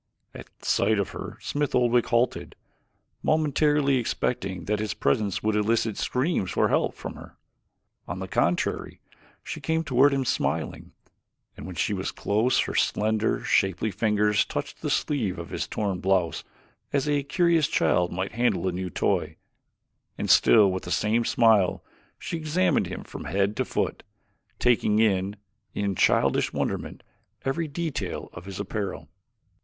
At sight of her Smith Oldwick halted, momentarily expecting that his presence would elicit screams for help from her. On the contrary she came toward him smiling, and when she was close her slender, shapely fingers touched the sleeve of his torn blouse as a curious child might handle a new toy, and still with the same smile she examined him from head to foot, taking in, in childish wonderment, every detail of his apparel.